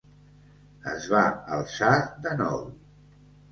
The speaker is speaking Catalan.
Es va alçar de nou.